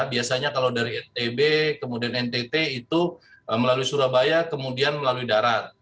biasanya kalau dari ntb kemudian ntt itu melalui surabaya kemudian melalui darat